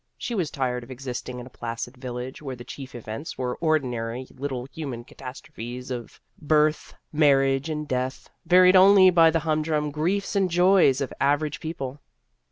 She was tired of existing in a placid village, where the chief events were ordinary little human catastrophes of birth, marriage, and death, varied only by the humdrum griefs and joys of average peo ple.